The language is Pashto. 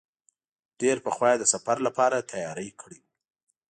ډېر پخوا یې د سفر لپاره تیاری کړی و.